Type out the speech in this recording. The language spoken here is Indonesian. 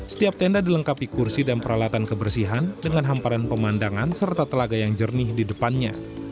setiap tenda dilengkapi kursi dan peralatan kebersihan dengan hamparan pemandangan serta telaga yang jernih di depannya